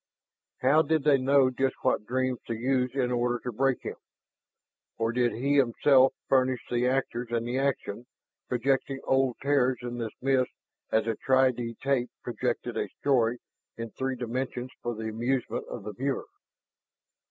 How did they know just what dreams to use in order to break him? Or did he himself furnish the actors and the action, projecting old terrors in this mist as a tri dee tape projected a story in three dimensions for the amusement of the viewer?